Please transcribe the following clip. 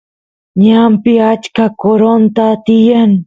ñanpi achka qoronta tiyan